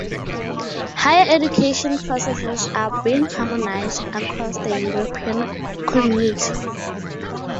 Higher education processes are being harmonised across the European Community.